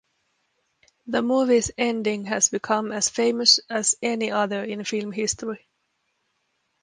The movie's ending has become as famous as any other in film history.